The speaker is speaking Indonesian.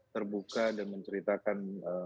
terbuka dan menceritakan